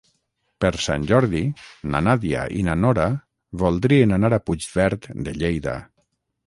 Per Sant Jordi na Nàdia i na Nora voldrien anar a Puigverd de Lleida.